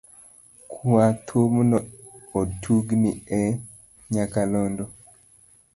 Kwa thumno otugni e nyaka londo.